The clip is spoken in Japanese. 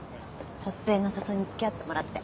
突然の誘いに付き合ってもらって。